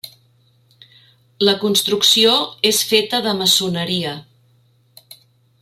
La construcció és feta de maçoneria.